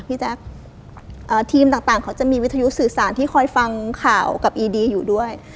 แจ๊คทีมต่างเขาจะมีวิทยุสื่อสารที่คอยฟังข่าวกับอีดีอยู่ด้วย